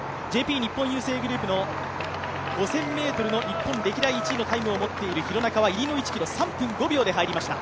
日本郵政グループの５０００ｍの日本歴代１位のタイムを持っている廣中は入りの１ｋｍ３分５秒で入りました。